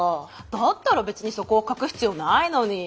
だったら別にそこを隠す必要ないのに。